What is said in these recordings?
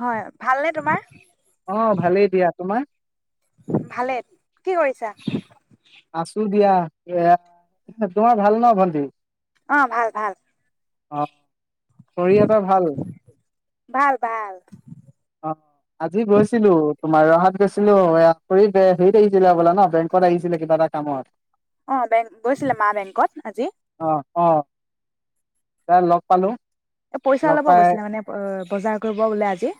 হয় ভালনেে তোমাৰ অ ভালেই দিয়া তোমাৰ ভালে কি কৰিছা আছো দিয়া এ তোমাৰ ভাল ন ভণ্টি অ ভাল ভাল অ খুৰী [unintelligible] এটা ভাল ভাল ভাল অ আজি গৈছিলো তোমাৰ ৰহাত গৈছিলো কৰি হেৰিত আহিছিলে বোলে ন বেংকত আহিছিলে কিবা এটা কামত অ বেংক গৈছিলে মা বেংকত আজি এ লগ পালো এ পইচা লগ ওলাব পাই গৈছিলে মানে অ বজাৰ কৰিব বোলে আজি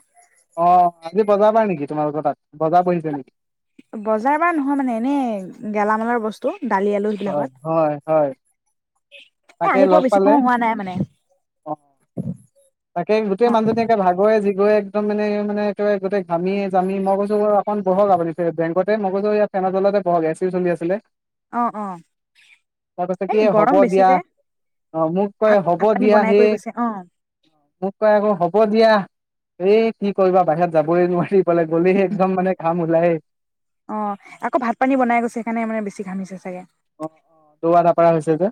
অ', আজি বজাৰ বাৰ নেকি তোমালোকৰ তাত? বজাৰ বহিছে নেকি? বজাৰ বাৰ নহয় মানে এনে গেলামালৰ বস্তু দালি আলু সেইবিলাকত অ', হয়-হয়। এ আহি পোৱা বেছি সময় হোৱা নাই মানে অ তাকে গোটেই অ মানুহজনী একে ভাগৰে জিগয়ে একদম মানে এ মানে তই গোতে ঘামি যামি মই কৈছো অকণ বহক আপুনি বেংকত মই কৈছোঁ এইয়া ফেনতলতে বহক এ চিও চলি আছিলে অ', অ', তাৰ কৈছে কি এই হ'ব গৰম বেছি দিয়া যে, অ মোক কয় হ'ব ভাত-ভাত পানী দিয়া বনাই কৰি সেই গৈছে অ', মোক কয় আকৌ হ'ব দিয়া এই কি কৰিবা বাহিৰত যাবই নোৱাৰি বলে গ'লে একদম মানে ঘাম ওলাইয়ে অ', আকৌ ভাত পানী বনাই গৈছে সেইকাৰণে মানে বেছি ঘামিছে চাগে অ অ দৌৰা দাপাৰা হৈছে যে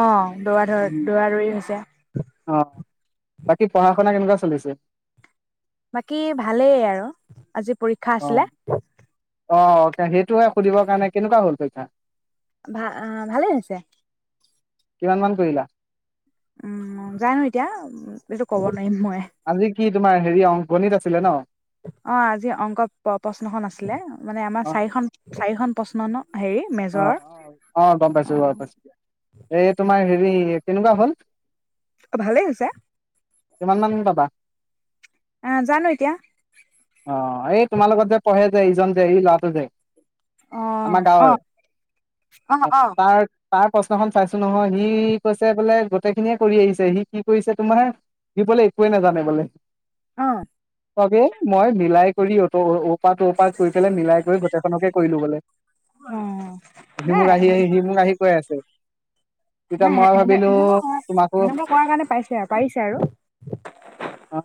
অহ', দৰা-ধৰ দৌৰা-দৌৰি হৈছে। অ বাকী পঢ়া শুনা কেনেকুৱা চলিছে? বাকী ভালেই আৰু আজি পৰীক্ষা অ আছিলে। অ', সেইটোহে সুধিবৰ কাৰণে, কেনেকুৱা হ'ল পৰিক্ষা? ভা আ', ভালে হৈছে কিমান মান কৰিলা? উম', জানো এতিয়া, এইটো কব নোৱাৰিম মই আজি কি তোমাৰ হেৰি অং গণিত আছিলে ন? অ', আজি অংক প্ৰ-প্ৰশ্নখন আছিলে, মানে অ আমাৰ চাৰিখন-চাৰিখন প্ৰশ নন অ', অ', অ', গম পাইছো গম অ পাইছো দিয়া। এই তোমাৰ হেৰি ৰি কেনেকুৱা হল? ভালেই হৈছে কিমান মান পাবা? আ', জানো এতিয়া অ', এই তোমাৰ লগত যে পঢ়ে যে, ইজন যে এই ল'ৰাটো যে অ আমাৰ অ গাঁৱৰ অ', তাৰ তাৰ প্ৰশ্নখন চাইছো নহয় সি কৈছে বোলে গোটেইখিনিয়ে কৰি আহিছে সি কি কৰিছে তোমাৰ সি বোলে একোৱে নাজানে বোলে। অ', [unintelligible] মই মিলাই কৰি ঔ-ঔপাত টৌপা কৰি পেলাই মিলাই কৰি গোটেইখনকে কৰিলো বোলে অ সি নাই মোক নাই আহি-আহি সি মোক আহি কৈ আছে। তেতিয়া মই সেনে ভাবিলো সেনেকুৱা কৰা তোমাকো সেনেকুৱা কৰাৰ কাৰণে পাইছে আৰু পাৰিছে আৰু আহ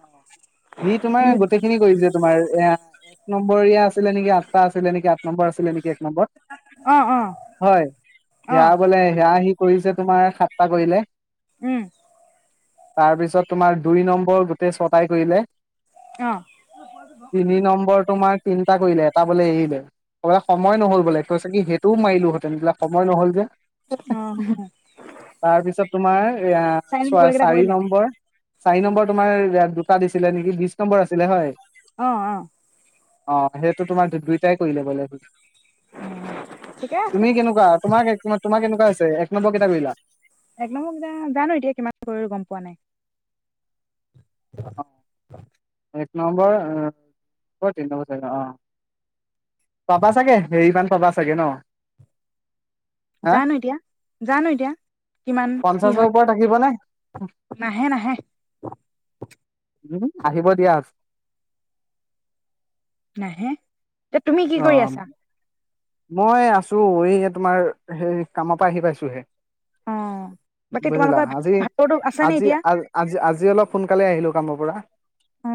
সি তোমাৰ উম গোটেইখিনি কৰিছে তোমাৰ এয়া এক নম্বৰীয়া আছিলে নেকি আঠটা আছিল নি আঠ নম্ব আছিলে নেকি এক নম্বৰ অ অ হয় অ হ বলে হেি কৰিছে তোমাৰ সাতটা কৰিলে উম তাৰপিছত তোমাৰ দুই নম্বৰ গোটেই ছটাই কৰিলে অ অ তিনি নম্বৰ তোমাৰ তিনটা কৰিলে এটা বোলে এই বলে সময় নহ'ল বোলে ত চাগি সেইটোও মাৰিলো হেতেন বিলাক সময় নহল যে তাৰপিছত তোমাৰ এ চাৰি চ নম্বৰ গোটেইকেইটা চাৰি কৰিলে নম্বৰ চাৰি নম্বৰ তোমাৰ ইয়াত দুটা দিছিলে নেকি বিশ নম্বৰ আছিলে হয় অ অ অ সেইটো তোমাৰ দুইটাই কৰিলে বোলে ঠিকে আছে তুমি কেনেকুৱা তোমাৰ তোমাৰ কেনেকুৱা আছে এক নম্বৰ কিতাপলাক এক নম্বৰ কেইটা জানো এতিয়া কিমান কৰিলো গম পোৱা নাই [unintelligible] অ নম্বৰ তিনি নম্বৰ চাগ অ পাবা চাগে হেৰিমান পাবা চাগে ন হা জানো এতিয়া জানো এতিয়া কিমান কি পঞ্চাশৰ হয় ওপৰত আহিব নে নাহে নাহে উম আহিব দিয়া নহে এয়া তুমি কি অ কৰি আছা মই আছো এই তোমাৰ সেই কামৰ পৰা আহি পাইছোহে অ বাকী বুজিলা তোমালোকৰ আজি ভাতৰতো আছে নে আজি এতিয়া আ আজি আজি অলপ সোনকালে আহিলো কামৰ পৰা অ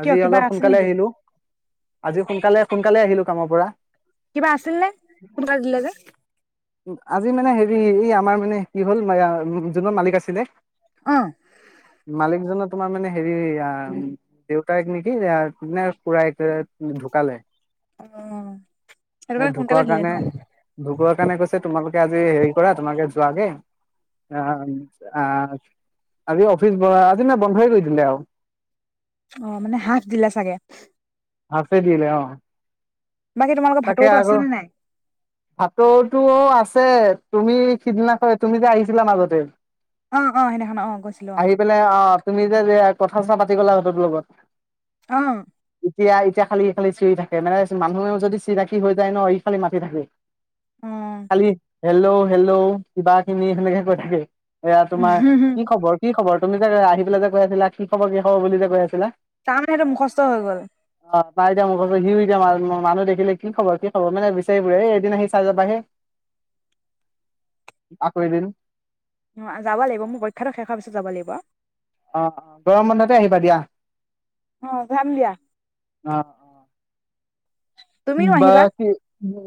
আজি কিয় কিবা অলপ আছিল সোনকালে নেকি আহিলো আজি সোনকালে সোনকালে আহিলো কামৰ পৰা কিবা আছিল নে ত দে যে আজি মানে হেৰি এই আমাৰ মানে কি হ'ল যোন ম মালিক আছিলে অ মালিকজনক তোমাৰ মানে হেৰি দেউতাইক নেকি খুৰাই ঢুকালে উম এই ঢুকোৱাৰ কাৰণে ঢুকোৱাৰ কাৰণে কৈছে তোমালোক জ হেৰি কৰা তোমাকে যোৱাকে আহ আজি অফিচ আজি ন বন্ধই কৰি দিলে আৰু অ মানে হাফ দিলে চাগে হাফে দিল অ বাকী তোমালোকৰ তাকে ভাতৰতো আছে আকৌ নে নাই ভাটৌতো আছে। তুমি সিদিনাখন তুমি যে, আহিছিলা মাজতে অহ ', অহ ', সেইদিনাখন অ', গৈছিলো অ',। আহি পেলাই অ তুমি যে আজিয়ে কথা -চথা পাতি গ'লা সিঁহতৰ লগত। অহ ', এতিয়া- এতিয়া, খালি -খালি চিঞৰি থাকে মানুহে যদি চিনাকি হৈ যায় ন', ই খালি মাতি থাকে। অ খালি, হেল্ল- হেল্ল কিবা কিনি এনেকে কৈ থাকে এয়া তোমাৰ কি খবৰ? কি খবৰ? তুমি যে আহিপেলাই যে কৈ আছিলা কি খবৰ? কি খবৰ বুলি যে কৈ আছিলা তাৰমানে সেইটো মুখষ্ট হৈ গ'ল। অ তাই এতিয়া, মুঠতে সিও এতিয়া মানুহ দেখিলে কি খবৰ, কি খবৰ মানে বিচাৰি ফুৰে এই এদিন আহি চাই যাবা হে, আকৌ এদিন অ', যাব লাগিব মোৰ পৰীক্ষাটো শেষ হোৱাৰ পিছত যাব লাগিব। অহ ', অহ ', গৰম বন্ধতে আহিবা দিয়া। অহ ', যাম দিয়া। তুমিও আহিবা কিবা- কে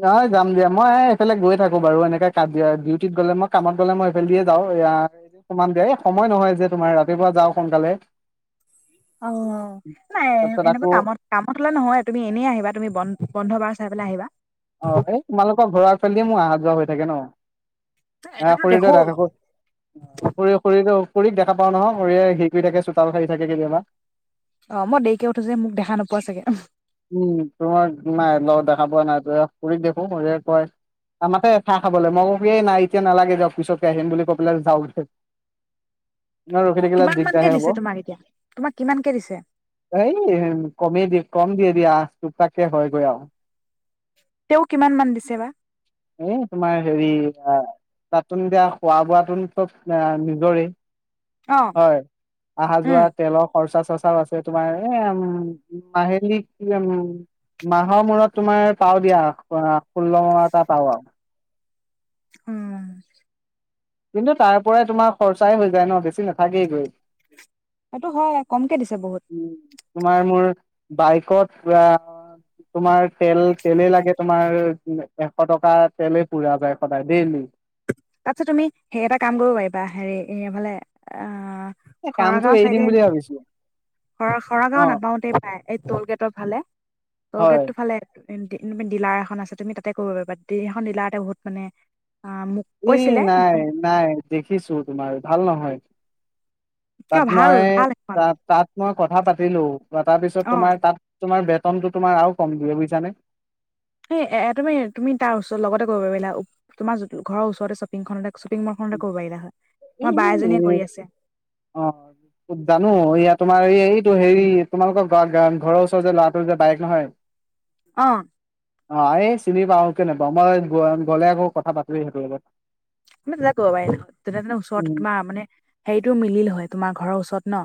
নহয় যাম দিয়া মই এইফালে গৈ থাকো বাৰু এনেকে কাজিয়া ডিউটিত গলে মই কামত গলে মই এইফাল দিয়ে যাওঁ দিয়া, এনেকে খুমাম দিয়া, এ, 'সময় নহয় যে তোমাৰ ৰাতিপুৱা যাওঁ সোনকালে। অ ', নাই তাৰপিছত এনেকুৱা আকৌ কামত কামত হলে নহয় তুমি এনেই আহিবা তুমি বন বন্ধ বাৰ চাই পেলাই আহিবা। অ', এই তোমালোকৰ ঘৰৰ ফালদিে মোৰ অহা যোৱা হৈ থাকে ন', আহ, এইটোতো দেখো খুৰীদেউ যাই থাকোঁ, খুৰী - খুৰীদেউ, খুৰীক দেখা পাওঁ নহয়, খুৰীয়ে হেৰি কৰি থাকে চোতাল সাৰি থাকে কেতিয়াবা। অ', মই দেৰিকে উঠো যে, মোক দেখা নোপোৱা চাগে। চাব নাযাওঁ খুৰীক দেখো, খুৰীয়ে কয় অ, মাতে খাহ খাবলৈ মই কওঁ কি এ, নাই এতিয়া নালাগে দিয়ক পিছকে আহিম বুলি কৈ পেলাই যাওগে নহয়ৰখি থাকিলে, কিমান মানকে দিগদাৰে হব দিছে তোমাক এতিয়া তোমাক কিমানকে দিছে এই কমেই দিয়ে কম দিয়ে দিয়া, টুকটাককে হয়গৈ আৰু, তেওঁ কিমান মান দিছে বা? এ, 'তোমাৰ হেৰি তাত এতিয়া তাতটো দিয়া খোৱা -বোৱটো চব নিজৰে অ হয়, আহা যোৱা, উম তেলৰ খৰচা পচাও আছে তোমাৰ এ', উম, ' মাহেলি কি আৰু মাহৰ মূৰত তোমাৰ পাও দিয়া ষোল্ল তাত আ, উম, কিন্তু তাৰ পৰাই তোমাৰ খৰচাই হৈ যায় ন', বেছি নাথাকেই গৈ। এইটো হয় কম, এ, 'দিছে বহুত। তোমাৰ মোৰ বাইকত তোমাৰ তেল তেলেই লাগে তোমাৰ এশ টকা তেলেই পুৰা যায় সদায় ডেইলি। তাৰ পিছত তুমি সে এটা কাম কৰিব পাৰিবা হেৰি এফালে এ কামটো এৰি দিম বুলিয়ে ভাবিছিলো। খৰা খৰা গাঁও নাপাওতেই পাই এই টল গেটৰ ফালে টল হয় গেট টো ফালে স ডিলাৰ এখন আছে তুমি তাতেই কৰিব পাৰি [unintelligible] এ নাই নাই দেখিছো তোমাৰ ভাল নহয় তাত কিয় ভাল মই ভাল ত সেইখন তাত মই কথা পাতিলো প তাৰ পিছত অ তোমাৰ তাত তোমাৰ বেতনতো তোমাৰ আৰু কম দিয়ে বুজিছাানে স এ তুমি তুমি তাৰ ওচৰত লগতে কৰিব পাৰিলা তোমাৰ ঘৰৰ ওচৰতে শ্বপিং খনতে শ্বপিং মল খ ক'ব পাৰিলা হয় আমাৰ এই বা এজনীয়ে কৰি আছে অ জানো এয়া তোমাৰ এই এইটো হেৰি তোমালোকৰ ঘৰৰ ওচৰৰ যে ল'ৰাটোৰ যে বাইক নহয় অ অ এই চিনি পাও কেনে পা মই গলে আকৌ কথা পতিল সেইটোৰ লগত মে তো ক'ব পাৰি নহয় তেনে তেনে ওচৰৰত উম তোমাৰ মানে হেৰিটো মিলিল হয় তোমাৰ ঘৰৰ ওচৰত ন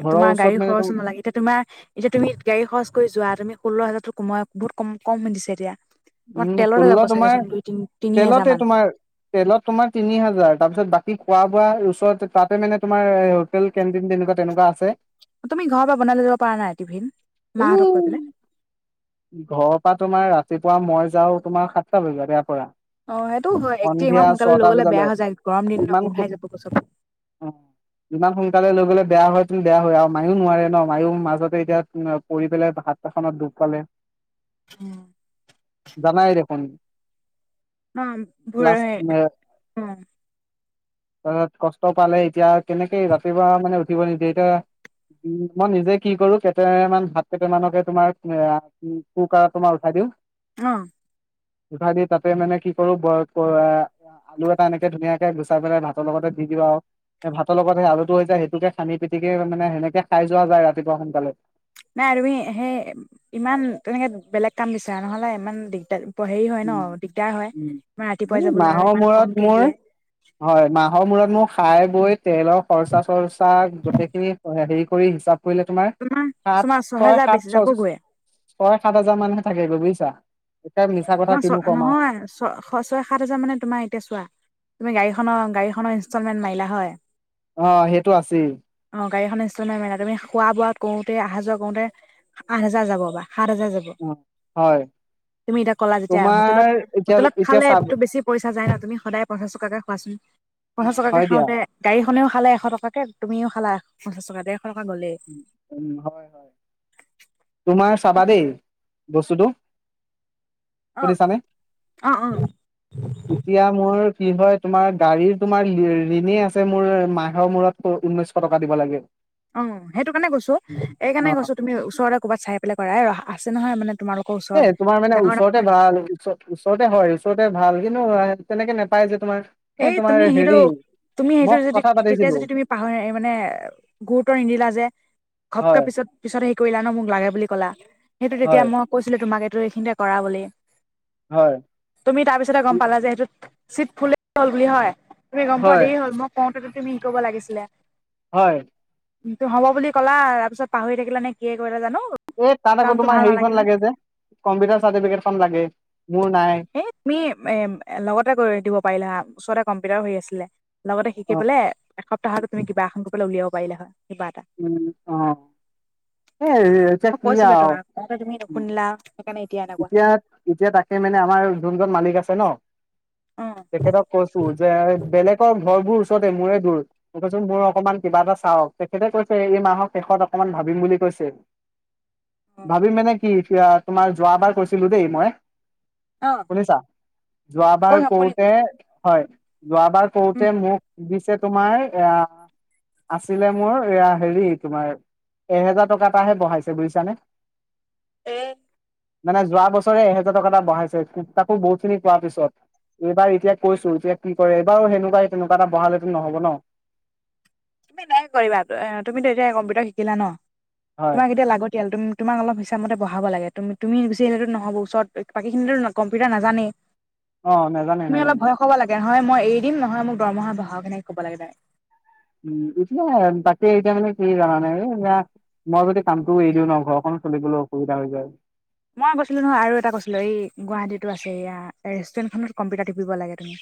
ঘৰৰ তোমাৰ ওচৰত গাড়ী মানে খৰচ নালাগে এতিয়া তোমাৰ এতিয়া তুমি গাড়ী খৰচ কৰি যোৱা তুমি ষোল্ল হাজাৰতোমাই বুত কম দিছে এতিয়া তোমাৰ উম তেলতে ষোল্ল যাব তোমাৰ চাগেচোন দুই তিনি তিনি তেলতে হোজাৰ মান তোমাৰ তেলত তোমাৰ তিনি হাজাৰ তাৰপিছত বাকী খোৱা বোৱা ওচৰত তাতে মানে তোমাৰ হোটেল কেণ্টিন তেনেকুৱা তেনেকুৱা আছে তুমি ঘৰৰ পৰা বনাই লৈ যাব পাৰা নাই টিভিন মাহঁতক কৈ পাই পুৱা মই যাওঁ তোমাৰ সাতটা বজাত ইয়াৰ পৰা অ সেইটো হয় একদিন ইমান সন্ধিয়া সোনকালে লৈ ছটা গলে বেয়া বজালৈ হৈ যায় গৰম দিনটো ইমান গোন্ধাই যাব গচৰ লে বেয়া হয় পন্তু বেয়া হয় আৰু মায়ো নোৱাৰে ন মায়ও মাজতে এতিয়া পৰি পেলাই ভাত এখনত দুখ পালে উম জাই দেখোন অ ভ ক্লাছ অ তাৰপিছত কষ্ট পালে এতিয়া কেনেকে ৰাতিপুৱা মানে উঠিব নিদিয়ে এতিয়া উ মই নিজে কি কৰো কেইটামান ভাত কেইটামানকে তোমাৰ কুকাৰত তোমাৰ উঠাই দিওঁ অ উফাৰ দি তাতে মানে কি কৰো ব আলু এটা এনেকে ধুনীয়াকে গুচাই পেলাই ভাতৰ লগতে দি দিওঁ আৰু ভাতৰ লগত সেই আলুটো হৈ যায় সেইটোকে খানি পিটিকে মানে সেনেকে খাই যোৱা যায় ৰাতিপুৱা সোনকালে নাই তুমি সেই ইমান তেনেকে বেলেগ কাম বিচাৰা নহলে ইমান দিগদাৰ হেৰি হয় ন দিগদাৰ হয়। ইমান ৰাতিপুৱাই উ যাবলৈ আৰু মাহৰ ইমান মৰত কমকে মোৰ দিয়ে। হয় মাহৰ মূৰত মোক খাই বৈ তেলৰ খৰ্চা চৰ্চা গোটেইখিনি হেৰি কৰি হিচাপ কৰিলে তোমাৰ সাত তোমাৰ ছয় ছহেজাৰ সাত বেছি ছয় যাবগৈয়ে ছয় সাত হাজাৰ মানুহে থাকে গৈ বুজিছা এতিয়া মিছা কথা তোমাৰ ছ কিনো কম আৰু। নহয় ছ ছয় সাত হাজাৰ মানে তোমাৰ এতিয়া চোৱা তুমি গাড়ী গাড়ীখনৰ ইনষ্টলমেন্ট মাৰিলা হয় অ সেইটো আছেই অ গাড়ীখনে ইনষ্টলমেন মাৰিলা তুমি খোৱা বোৱাত কৰোতে অহা যোৱা কৰোতে আঠ হাজাৰ যাব বা সাত হজাৰ যাব অ', হয় তুমি এতিয়া ক'লা যেতিয়া হোটেলত তোমাৰ এতিয়া হোটেলত এতিয়া খালে চাব বেছি পইচা যায় ন তুমি সদায় পঞ্চাছ টকাকে খোৱাচোন পঞ্চাছ টকাকে হয় দিয়া খাওঁতে গাড়ীখনেও খালে এশ টকাকে তুমিও খালা পঞ্চাছ‌ টকা দে উ হয় হয় তোমাৰ চাবাদেই বস্তুটো অ শুধিছানে অ অ এতিয়া মোৰ কি হয় তোমাৰ গাড়ীৰ তোমাৰ ঋ ঋণেই আছে মোৰ মাহৰ মূৰত উঊনৈশ টকা দিব লাগে। অ সেইটো কাৰণে কৈছো এইকাৰণে অ', কৈছো তুমি ওচৰতে ক'ৰবাত চাই পেলাই কৰাই আ নহয় মানে তোমালোকৰ এ ওচৰত তোমাৰ মানে ডাঙৰ ওচৰতে ডাঙৰ বা ওচৰতে হয় ওচৰতে ভাল কিন্তু তেনেকে নেপায় যে তোমাৰ এই তোমাৰ তুমি সেইটো হেৰি তুমি সেইটো মই যদি কথা তেতিয়া পাতিছিলো যদি তুমি পাহৰি এ মানে গুৰুত্ব নিদিলা যে ঘপকে হয়, পিছত পিছত হেৰী কৰিলা ন মোক লাগে বুলি কলা সেইটো তেতিয়া হয়, মই কৈছিলো তোমাক এত এইখিনিতে কৰা বুলি হয়, তুমি তাৰপিছতে গম পালা যে সেইটোত চীত ফুলে বুলি হয় তুমি গম পোৱা হয়, দেৰি হ'ল মই কওঁতে তুমি তুমি ক'ব লাগিছিলে হয় [unintelligible] হ'ব বুলি ক'লা‌ তাৰ পিছত পাহৰি থাকিলা নে কিয়ে কৰিলা জানো এই তাত আকৌ কামটো তোমাৰ ভাল হেৰিখন নালাগিল নে লাগে যে কম্পিউটাৰ চাৰ্টিফিকেটখন লাগে। মোৰ নাই এ তুমি এ লগতে কৰি দিব পাৰিলা ওচৰতে কম্পিউটাৰ হৈ আছিলে লগতে শিকি অ পেলাই এসপ্তাহতে তুমি কিবা এখন উলিয়াব পাৰিলা‌ হয়। কিবা এটা উম অ এ এতিয়া মই কি কৈছিলো আৰু তোমাক কওঁতে তুমি নুশুনিলা সেইকাৰণে এনেকুৱা এতিয়া এতিয়া তাক সেই মানে আমাৰ যোনজন মালিক আছে ন অ তেখেতক কৈছো যে বেলেগৰ ঘৰবোৰ তাতে মই গই ৰবচুন মই অকমান কিবা এটা চাও তেখেতে কৈছে এই মাহৰ শেষত অকমান ভাবিম বুলি কৈছে। ভাবিম মানে কি এতিয়া তোমাৰ যোৱাবাৰ কৈছিলো দেই মই। অ অ শুনিছা, যোৱাবাৰ কৈ নকৰিম কওঁতে হয়। যোৱাবাৰ কওঁতে মোক দিছে তোমাৰ এয়া আছিলে মোৰ এয়া হেৰি তোমাৰ এহেজাৰ টকা এটাহে বঢ়াইছে বুজিছানে। এ মানে যোৱা বছৰে এহেজাৰ টকা এটা বঢ়াইছে তাকো বহুত খিনি কোৱা পিছত, এইবাৰ এতিয়া কৈছো যে কি কৰে, এইবাৰো সেনেকুৱাই তেনেকুৱা এটা বঢ়ালেতো নহব ন? তুমি নাই কৰিবা এহ, তুমিতো এতিয়া হে কম্পিউটাৰ শিকিলা ন? হয় তোমাক এতিয়া লাগতিয়াল উম, তোমাৰ অলপ হৈ তাৰ মতে বঢ়াব লাগে, তুম, তুমি গুচি আহিলেতো নহ'ব, ওচৰত বাকীখিনিতো কম্পিউটাৰ নাজানেই। অ, নাজানে নাজানে। হয় মই এৰি দিম নহয় মোক দৰমহা বঢ়াওক এনেকে ক'ব লাগে ডাইৰেক। উম, এতিয়া তাকে এতিয়া মানে কি জানানে এই এয়া মই যদি কামটোও এৰি দিওঁ ন ঘৰখনো চলিবলৈ অসুবিধা হৈ যায়। মই কৈছিলোঁ নহয় আৰু এটা কৈছিলোঁ এই গুৱাহাটীতো আছে এয়া ৰেষ্টুৰেন্টখনত কম্পিউটাৰ টিপিব লাগে তুমি।